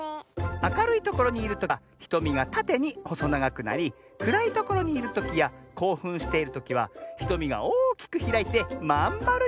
あかるいところにいるときはひとみがたてにほそながくなりくらいところにいるときやこうふんしているときはひとみがおおきくひらいてまんまるになるのミズ！